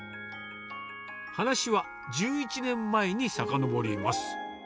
話は１１年前にさかのぼります。